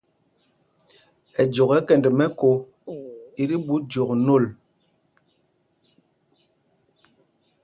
Ɛjok ɛ́ kɛnd mɛ̄ko i ti ɓu jɔk nôl.